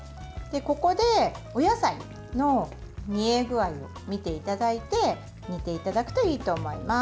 ここで、お野菜の煮え具合を見ていただいて煮ていただくといいと思います。